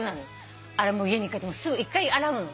家に帰ってすぐ１回洗うの。